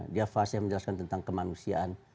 dia faseh menjelaskan tentang kemanusiaan